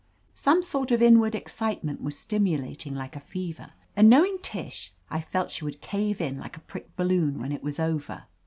Some sort of in ward excitement was stimulating like a fever, and knowing Tish, I felt she would cave in like a pricked balloon when it was over.